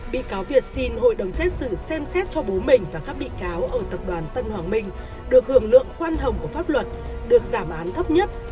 bị cáo việt xin hội đồng xét xử xem xét cho bố mình và các bị cáo ở tập đoàn tân hoàng minh được hưởng lượng khoan hồng của pháp luật được giảm án thấp nhất